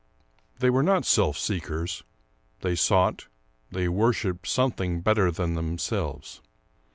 They were not self seekers; they sought, they worshiped something better than themselves.